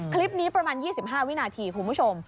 คลิปนี้ประมาณ๒๕วินาทีคุณผู้ชม